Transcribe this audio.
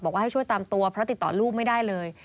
บอกว่าให้ช่วยตามตัวเพราะติดต่อลูกไม่ได้เลย